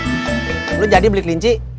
pur lu jadi beli kelinci